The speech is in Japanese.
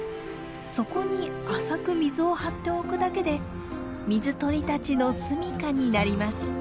そこに浅く水を張っておくだけで水鳥たちの住みかになります。